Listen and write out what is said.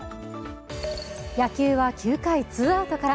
野球は９回ツーアウトから。